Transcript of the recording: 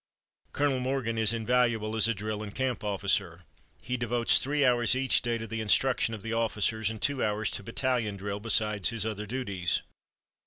"Colonel Morgan is invaluable as a drill and camp officer. He devotes three hours each day to the instruction of the officers, and two hours to battalion drill, besides his other duties.